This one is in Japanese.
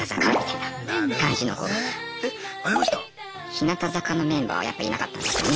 日向坂のメンバーはやっぱいなかったですよね。